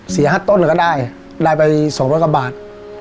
เสียฮัดต้นก็ได้ได้ไปสองร้อยกว่าบาท